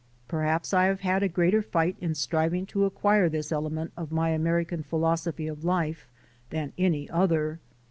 Perhaps I have had a greater fight in striving to acquire this element of my American philosophy of life than any other.